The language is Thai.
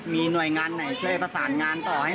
พี่รินโอ่งมันจะไปแล้วหรือเปล่าทำอย่างไรวะ